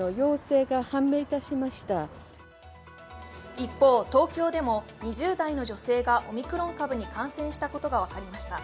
一方、東京でも２０代の女性がオミクロン株に感染したことが分かりました。